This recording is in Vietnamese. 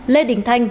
lê đình thanh